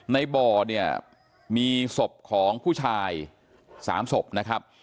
ในบ่อเนี่ยมีศพของผู้ชาย๓ศพนะครับ